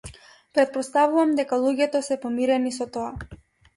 Претпоставувам дека луѓето се помирени со тоа.